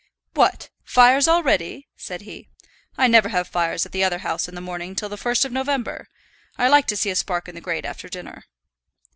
"What! fires already?" said he. "I never have fires at the other house in the morning till the first of November. I like to see a spark in the grate after dinner."